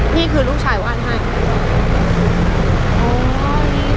นี่คือลูกชายวาดให้